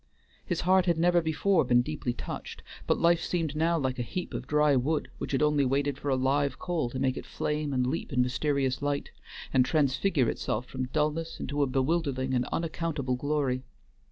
His heart had never before been deeply touched, but life seemed now like a heap of dry wood, which had only waited for a live coal to make it flame and leap in mysterious light, and transfigure itself from dullness into a bewildering and unaccountable glory.